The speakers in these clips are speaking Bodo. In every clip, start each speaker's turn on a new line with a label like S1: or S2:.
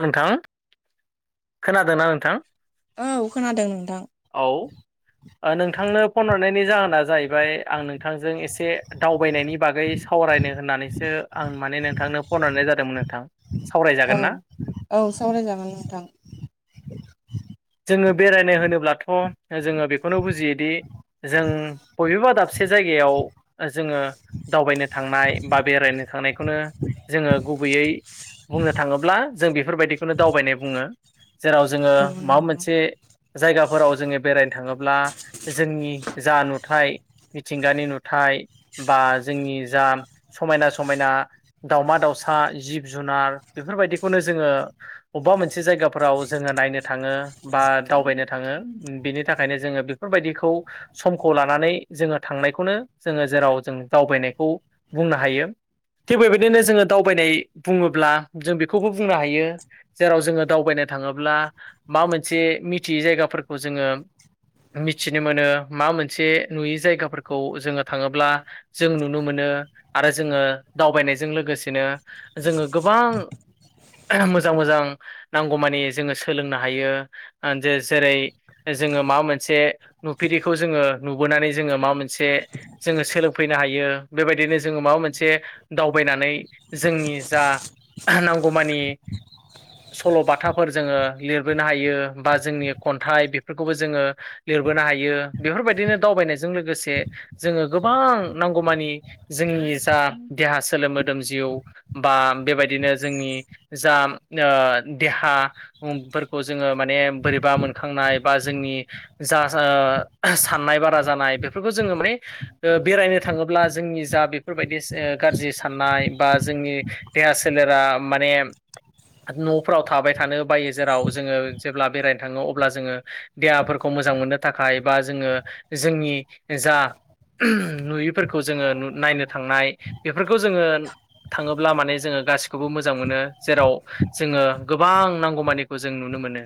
S1: नोंथां? खोनादोंना नोंथां?
S2: औ खोनादों नोंथां।
S1: औ। नोंथांनो फन हरनायनि जाहोना जाहैबाय आं नोंथांजों एसे दावबायनायनि बागै सावरायनो होननानैसो आं माने नोंथांनो फन हरनाय जादोंमोन नोंथां। सावरायजागोन
S2: औ
S1: ना?
S2: औ सावरायजागोन नोंथां।
S1: जोङो बेरायनो होनोब्लाथ' जोङो बेखौनो बुजियोदि जों बबेबा दाबसे जायगायाव जोङो दावबायनो थांनाय बा बेरायनो थांनायखौनो जोङो गुबैयै बुंनो थाङोब्ला जों बेफोरबायदिखौनो दावबायनाय बुङो जेराव जोङो
S2: औ
S1: माबा
S2: नंगौ।
S1: मोनसे जायगाफोराव जोङो बेरायनो थाङोब्ला जोंनि जा नुथाय मिथिंगानि नुथाय बा जोंनि जा समायना समायना दाउमा दाउसा जिब जुनार बेफोरबायदिखौनो जोङो अबेबा मोनसे जायगा फोराव जोङो नायनो थाङो बा दावबायनो थाङो बिनि थाखायनो जोङो बेफोरबायदिखौ समखौ लानानै जोङो थांनायखौनो जोङो जेराव जों दावबायनायखौ बुंनो हायो। थिग बेबायदिनो जोङो दावबायनाय बुङोब्ला जों बेखौबो बुंनो हायो। जेराव जोङो दावबायनो थाङोब्ला माबा मोनसे मिथियै जायगाफोरखौ जोङो। मिथिनो मोनो मा मोनसे नुयि जायगाफोरखौ जोङो थाङोब्ला जों नुनो मोनो आरो जोङो दावबायनायजों लोगोसेनो जोङो गोबां मोजां मोजां नांगौ मानि जोङो सोलोंनो हायो ओ जेरै जोङो माबा मोनसे नुफेरिखौ जोङो नुबोनानै जोङो माबा मोनसे जोङो सोलोंफैनो हायो बेबायदिनो जोङो माबा मोनसे दावबायनानै जोंनि जा नांगौमानि सल'बाथा खोथाफोर जोङो लिरबोनो हायो बा जोंनि खन्थाइ बेफोरखौबो जोङो लिरबोनो हायो बेफोरबायदिनो दावबायनायजों लोगोसे जोङो गोबां नांगौमानि जोंनि जा देहा सोले मोदोम जिउ बा बेबायदिनो जोंनि जा ओ देहा फोरखौ जोङो माने बोरैबा मोनखांनाय बा जोंनि जा-जा साननाय बारा जानाय बेफोरखौ जोङो माने ओ बेरायनो थाङोब्ला जोंनि जा बेफोरबायदि गाज्रि साननाय बा जोंनि देहा सोलेरा माने न' फोराव थाबाय थानो बायो जेराव जोङो जेब्ला बेरायनो थाङो अब्ला जोङो देहाफोरखौ मोजां मोनो। थाखाय बा जोङो जोंनि जा [unintelligible] नुयिफोरखौ जोङो नायनो थांनाय बेफोरखौ जोङो थाङोब्ला माने जोङो गासिखौबो मोजां मोनो जेराव जोङो गोबां नांगौमानिखौ जों नुनो मोनो।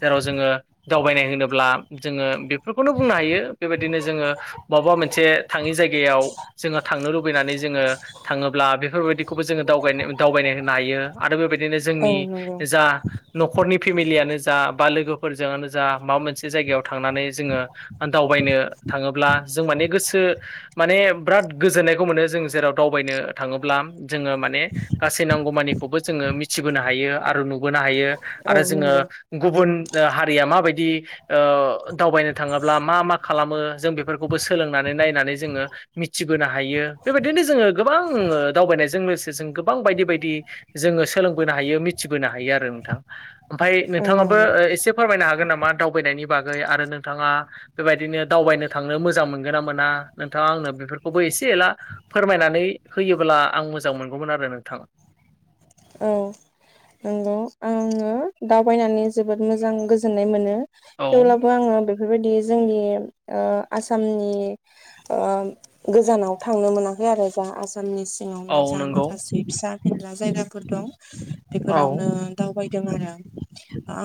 S1: जेराव जोङो दावबायनाय होनोब्ला जोङो बेफोरखौनो बुंनो हायो बेबायदिनो जोङो बहाबा मोनसे थाङि जायगायाव जोङो थांनो लुबैनानै जोङो थाङोब्ला बेफोरबायदिखौबो जोङो दावगाय दावबायनाय होननो हायो आरो बेबायदिनो
S2: औ
S1: जोंनि
S2: नंगौ
S1: दा न'खरनि फेमिलियानो जा बा लोगोफोरजोंआनो जा माबा मोनसे जायगायाव थांनानै जोङो दावबायनो थाङोब्ला जों माने गोसो माने बिराद गोजोननायखौ मोनो जों जेराव दावबायनो थाङोब्ला जोङो माने गासै नांगौमानिखौबो जोङो मिथिबोनो हायो आरो नुबोनो हायो
S2: औ
S1: आरो जोङो
S2: नंगौ
S1: गुबुन हारिया माबायदि ओ दावबायनो थाङोब्ला मा मा खालामो जों बेफोरखौबो सोलोंनानै नायनानै जोङो मिथिबोनो हायो बेबायदिनो जोङो गोबां दावबायनायजों लोगोसे जों गोबां बायदि बायदि जोङो सोलोंबोनो हायो मिथिबोनो हायो आरो नोंथां ओमफाय
S2: औ
S1: नोंथाङाबो
S2: नंगौ
S1: ओ एसे फोरमायनो हागोन नामा दावबायनायनि बागै आरो नोंथाङा बेबायदिनो दावबायनो थांनो मोजां मोनगोन ना मोना नोंथाङा आंनो बेफोरखौबो एसे एला फोरमायनानै होयोबोला आं मोजां मोनगौमोन आरो नोंथां।
S2: औ नोंगौ आंङो दावबायनानै जोबोद मोजां गोजोननाय मोनो
S1: औ
S2: थेवब्लाबो आङो बे बेफोरबायदि जोंनि ओ आसामनि ओ गोजानाव थांनो मोनाखै आरो जा [unintelligible] फोरनि
S1: औ
S2: सिङावनो जा
S1: नंगौ
S2: माखासे फिसा फिनला जायगाफोर दं
S1: औ
S2: बेफोरावनो दावबायदों आरो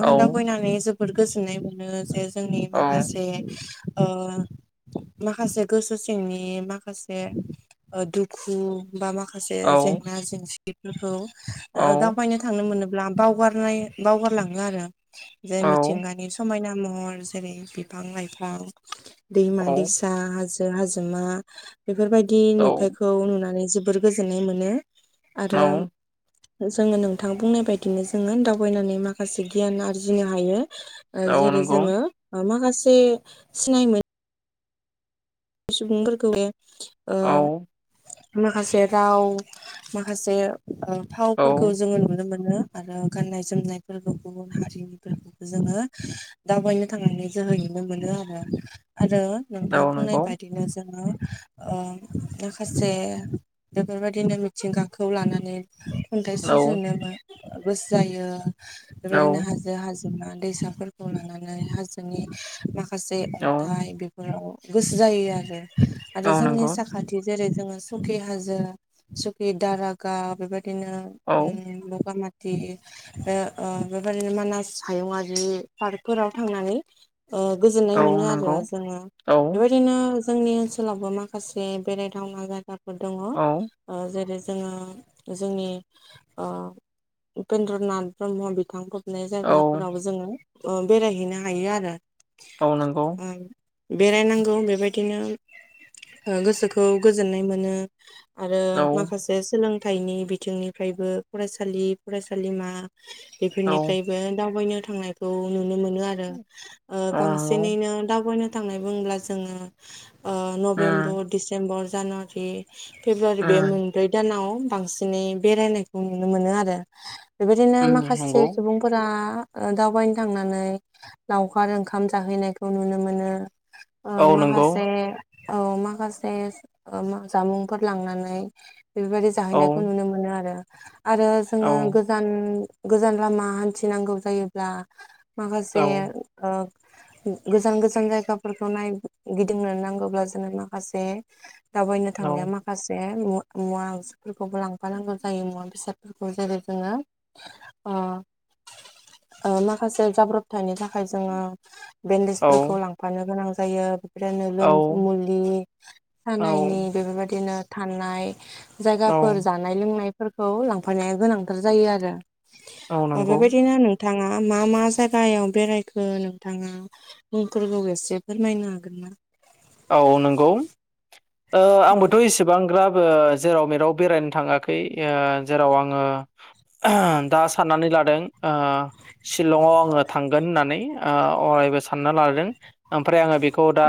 S1: औ
S2: दावबायनानै जोबोद गोजोननाय मोनो जे जोंनि
S1: औ
S2: माखासे ओ माखासे गोसो सिंनि माखासे ओ दुखु बा माखासे
S1: औ
S2: जेंना जेंसिफोरखौ
S1: औ
S2: दावबायनो [unintelligible] थांनो मोनोब्ला बावगारनाय बावगारलाङो आरो जे मिथिंगानि समायना महर जेरै बिफां लाइफां दैमा
S1: औ
S2: दैसा फि हाजो हाजोमा बेफोरबायदि नुथाइखौ नुनानै जोबोर गोजोननाय मोनो आरो
S1: औ
S2: जोङो नोंथां बुंनाय बायदिनो जोङो थायनानै माखासे गियान आरजिनो हायो
S1: औ
S2: जेरै
S1: नंगौ
S2: जोङो माखासे सिनाय मोन सुबुंफोरखौ बे
S1: औ
S2: माखासे राव माखासे
S1: औ
S2: फावफोरखौ जोङो नुनो मोनो आरो गाननाय जोमनायफोरखौ गुबुन हारिनिफोरखौबो जोङो दावबायनो थांनानै जोहै नुनो मोनो आरो आरो नोंथां
S1: औ
S2: बुंनाय
S1: नंगौ
S2: बायदि बिदिनो जोङो माखासे बेफोरबायदिनो मिथिंगाखौ लानानै खन्थाइ
S1: औ
S2: सुजुनोबो गोसो जायो
S1: औ
S2: बेबायदिनो हा हाजो हाजोमा दैसाफोरखौ लानानै हाजोनि माखासे
S1: औ
S2: अन्थाइ [unintelligible] गोसो जायो आरो आरो
S1: औ
S2: जोंनि
S1: नंगौ
S2: साखा खाथि जेरै जोङो सुखि हाजो सुखि दारागाव बेबायदिनो
S1: औ
S2: उम बगामा [unintelligible] ओ ओ बेबायदिनो ओ मानास हायुंआरि पार्कफोराव थांनानै ओ गोजोननाय
S1: औ
S2: मोनो आरो
S1: नंगौ
S2: जोङो
S1: औ
S2: बेबायदिनो जोंनि ओनसोलावबो माखासे बेरायथावना जायगाफोर दङ।
S1: औ
S2: ओ जेरै जोङो जोंनि ओ उपेन्द्र नाथ ब्रह्म बिथांखौ नाय
S1: औ
S2: जायगाफोराव जोङो बेरायहैनो हायो आरो
S1: औ नंगौ
S2: बेरायनांगौ बेबायदिनो गोसोखौ गोजोननाय मोनो आरो
S1: औ
S2: माखासे सोलोंथाइनि बिथिंनिफ्रायबो फरायसालि फरायसालिमा
S1: औ
S2: बेफोरनिफ्राय दावबायनो थांनायखौ नुनो मोनो आरो
S1: औ नंगौ
S2: बांसिनैनो दावबायनो थांनाय बुङोब्ला जोङो नभेम्बर
S1: उम
S2: डिसेम्बर जानुवारि फेब्रुवारि बे
S1: उम
S2: मोनब्रै दानाव बांसिनै बेरायनायखौ नुनो मोनो आरो बेबायदिनो
S1: उम
S2: माखासे
S1: नंगौ
S2: सुबुं फोर दावबायनो थांनानै लावखार ओंखाम जाहैनायखौ नुनो मोनो ओ
S1: औ
S2: महा
S1: नंगौ
S2: मासे औ माखासे जामुंफोर लांनानै बेफोरबायदि
S1: औ
S2: जाहैनायखौ नुनो मोनो आरो
S1: औ
S2: जोङो ज गोजान लामा हान्थिनांगौ जायोब्ला माखासे ओ गोजान गोजान जायगाफोरखौ नाय गिदिंनो नांगौब्ला जोंनो माखासे दावबायनो
S1: औ
S2: थांनायाव माखासे मुवा फोरखौबो लांफानांगौ जायो मुवा बेसाद जेरै जोङो माखासे जाब्रब फिथाइनो थाखाय जोङो
S1: औ
S2: बेन्देजफोरखौ लांफानो गोनां जायो बिदिनो
S1: औ
S2: लोम मुलि सानायनि बेफोरबायदिनो थानाय
S1: औ
S2: जायगाफोर जानाय लोंनायफोरखौ लांफानाया गोनांथार जायो आरो
S1: औ नंगौ
S2: बेबायदिनो नों नोंथाङा मा मा जायगायाव बेरायखो नोंथाङा मुंफोरखौ एसे फोरमायनो आरो [unintelligible]
S1: औ नंगौ आंबोथ' एसेबांग्राब जेराव मेराव बेरायनो थाङाखै जेराव आङो दा साननानै लादों शिलंआव आङो थांगोन होननानै अरायबो सानना लादों ओमफ्राय आङो बे खौ दा
S2: औ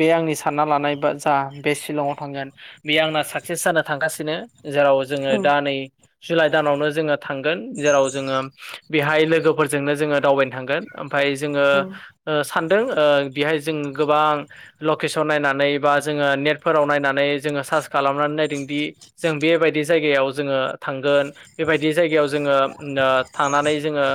S1: बे आंनि सानना लानाय बाजा बे शिलंआव थांगोन बे आंना साक्सेस जानो थांगासिनो जेराव जोङो
S2: औ
S1: दा नै जुलाइ दानावनो जोङो थांगोन जेराव जोङो बेहाय लोगोफोरजोंनो जोङो दावबायनो थांगोन ओमफाय जोङो ओ सानदों ओ बिहाय जों गोबां लकेसन नायनानै बा जोङो नेट फोराव नायनानै जोङो सार्स खालामनानै नायदोंदि जों बेबायदि जायगायाव जोङो थांगोन बेबायदि जायगायाव जोङो ओ थानानै जोङो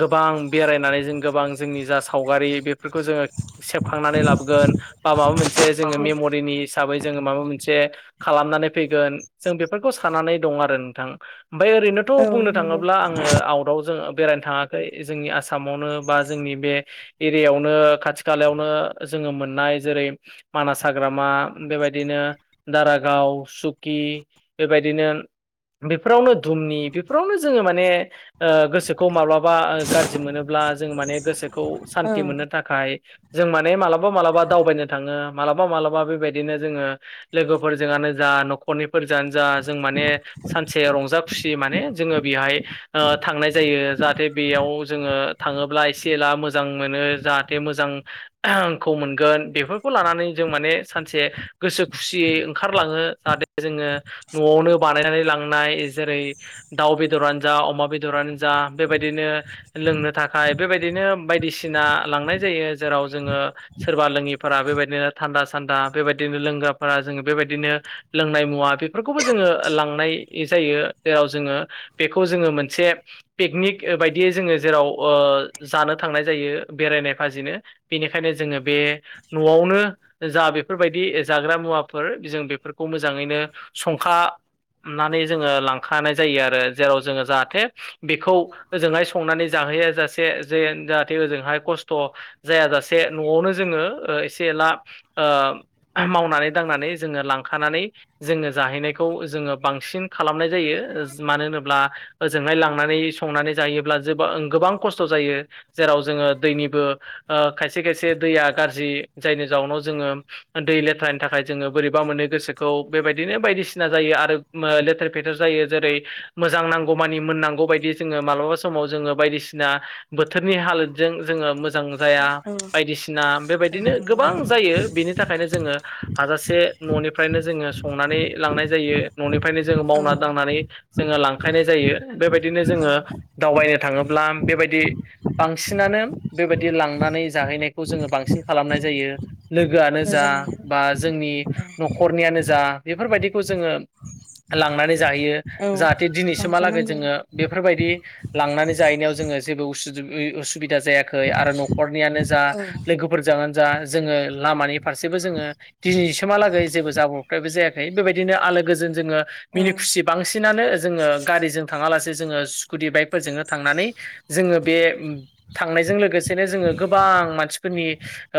S1: गोबां बेरायनानै जों गोबां जोंनि जा सावगारि बेफोरखौ जोङो सेबखांनानै लाबोगोन बा माबा मोनसे जोङो मेमरिनि हिसाबै जोङो माबा मोनसे खालामनानै फैगोन जों बेफोरखौ साननानै दङ आरो नोंथां ओमफफ्राय ओरैनोथ'
S2: औ
S1: बुंनो
S2: नंगौ
S1: थाङोब्ला आङो आउटाव जोङो बेरायनो थाङा जोंनि आसामावनो बा जोंनि बे एरियायावनो खाथि खालायावनो जोङो मोननाय जेरै मानास हाग्रामा बेबायदिनो दारागाव सुकि बेबायदिनो बेफोरावनो धुमनि बेफोरावनो जोङो माने गोसोखौ माब्लाबा गाज्रि मोनोब्ला जों माने गोसोखौ सान्थि मोननो थाखाय जों माने मालाबा मालाबा दावबायनो थाङो मालाबा मालाबा बेबायदि बिदिनो जोङो लोगोफोरजोंआनो जा नखर खरैफोरजानो जा जों माने सानसे रंजा खुसि माने जोङो बेहाय थांनाय जायो जाहाथे बेयाव जोङो थाङोब्ला एसे एला मोजां मोनो जाहाथे मोजां खौ मोनगोन बेफोरखौ लानानै जों माने सानसे से गोसो खुसियै ओंखारलाङो जाहाथे जोङो न'आवनो बानायनानै लांनाय जेरै दाउ बेदरानो जा अमा बेदरानो जा बेबायदिनो लोंनो थाखाय बेबायदिनो बायदिसिना लांनाय जायो जेराव जोङो सोरबा लोङिफोरा बेबायदिनो थान्दा सान्दा बेबायदिनो लोंग्राफोरा जोङो बेबायदिनो लोंनाय मुवा बेफोरखौबो जोङो लांनाय जायो जेराव जोङो बेखौ जोङो मोनसे पिकनिक बायदियै जोङो जेराव ओ जानो थांनाय जायो बेरायनाय फाजिनो बेनिखायनो जोङो बे न'आवनो जा बे बेफोरबायदि जाग्रा मुवाफोर जों बेफोरखौ मोजाङैनो संखा नानै जोङो लांखानाय जायो आरो जेराव जोङो जाहाथे बेखौ ओजोंहाय संनानै जाहैया जासे जे जाहाथे ओजोंहाय खस्थ' जायाजासे न'आवनो जोङो ओ एसे एनला ओ मावनानै दांनानै जोङो लांखानानै जोङो जाहैनायखौ जोङो बांसिन खालामनाय जायो ओज मानो होनोब्ला ओजोंहाय लांनानै संनानै जायोब्ला जोबां गोबां खस्थ' जायो जेराव जोङो दैनिबो ओ खायसे खायसे दैया गाज्रि जायनि जाउनाव जोङो दै लेथ्रानि थाखाय जोङो बोरैबा मोनो गोसोखौ बेबायदिनो बायदिसिना जायो आरो ओ लेथेर फेथेर जायो जेरै मोजां नांगौ मानि मोननांगौ बायदि जोङो मालाबा समाव जोङो बायदिसिना बोथोरनि हालोदजों जोङो मोज- जां जाया बायदिसिना बेबायदिनो गोबां
S2: नंगौ
S1: जायो बिनि थाखायनो जोङो हाजासे न'निफ्रायनो जोङो संनानै लांनाय जायो न'निफ्रायनो जोङो
S2: औ
S1: मावना दांनानै जोङो लांखायनाय जायो बेबायदिनो जोङो दावबायनो थाङोब्ला बेबायदि बांसिनानो बेबायदि लांनानै जाहैनायखौ जोङो बांसिन खालामनाय
S2: औ
S1: जायो लोगोआ जा
S2: मोजाङानो
S1: बा जोंनि न'खरनियानो जा बेफोरबायदिखौ जोङो लांनानै जाहैयो
S2: औ
S1: जाहाथे दिनैसिमहालागै
S2: लांखानांगौ
S1: जोङो बेफोरबायदि लांनानै जाहैनायाव जोङो जेबो उसुजुबइ उसुबिदा जायाखै आरो नख खरनियानो जा
S2: औ
S1: लोगोफोरजोंआनो जा जोङो लामानि फारसेबो जोङो दिनैसिमहालागै जेबो जाब्रबथायबो जायाखै बेबायदिनो आलो गोजोन जोङो
S2: औ
S1: मिनि खुसि बांसिनानो जोङो गारिजों थाङालासे जोङो स्कुटि बाइकफोरजोंनो थांनानै जोङो बे थांनायजों लोगोसेनो जोङो गोबां मानसिफोरनि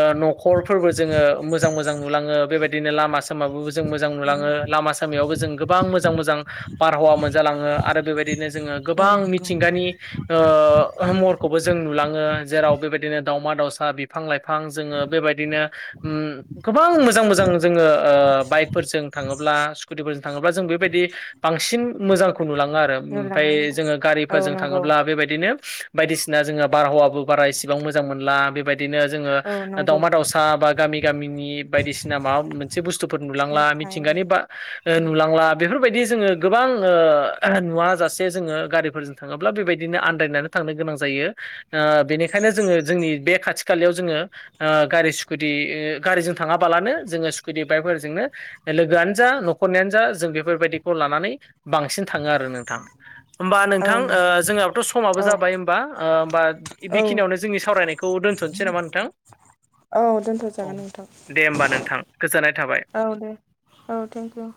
S1: ओ न'खरफोरबो जोङो मोजां मोजां नुलाङो बेबायदिनो लामा सामाबो जों मोजां
S2: औ
S1: नुलाङो लामा सामायावबो जों गोबां मोजां मोजां बारहावा मोनजालाङो आरो बेबायदिनो जोङो
S2: औ
S1: गोबां
S2: नंगौ
S1: मिथिंगानि ओ महरखौबो जों नुलाङो जेराव बेबायदिनो दावमा दावसा बिफां लाइफां जोङो बेबायदिनो उम गोबां मोजां मोजां जोङो ओ बाइकफोरजों थाङोब्ला स्कुटिफोरजों थाङोब्ला जों बेबायदि बांसिन मोजांखौ नुलाङो आरो
S2: औ
S1: ओमफाय
S2: लाङो
S1: जोङो
S2: औ
S1: गारिफोरजों
S2: नंगौ
S1: थाङोब्ला बेबायदिनो बायदिसिना जोङो बारहावाबो बारा इसेबां मोजां मोनला बेबायदिनो जोङो
S2: औ
S1: ओ
S2: नंगौ
S1: दावमा दाउसा बा गामि गामिनि बायदिसिना माबा मोनसे बुस्थुफोर नुलांला मिथिंगानि
S2: ओमफ्राय
S1: बा नुलांला बेफोरबायदि जोङो गोबां ओ नुव जासे जोङो गारिफोरजों थाङोब्ला बेबायदिनो आन्दायनानै थांनो गोनां जायो ओ बेनिखायनो जोङो जोंनि बे खाथि खालायाव जोङो ओ गारि सुकुटि दि गारिजों थाङाबालानो जोङो स्कुति बाइकफोरजोंनो लोगोआनो जा न'खरनियानो जा जों बेफोरबायदिखौ लानानै बांसिन थाङो आरो नोंथां होमबा
S2: औ
S1: नोंथां ओ
S2: नंगौ
S1: जोंहाबोथ' समाबो
S2: औ
S1: जाबाय बा होमबा
S2: औ
S1: बेखिनियावनो जोंनि सावरायनायखौ दोनथ'नोसै नामा नोंथां
S2: औ दोनथ'
S1: औ
S2: जागोन नोंथां
S1: दे होमबा नोंथां गोजोननाय थाबाय।
S2: औ दे औ थेंकिउ